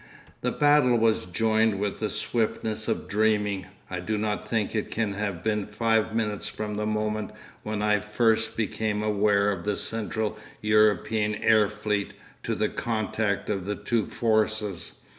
'The battle was joined with the swiftness of dreaming. I do not think it can have been five minutes from the moment when I first became aware of the Central European air fleet to the contact of the two forces.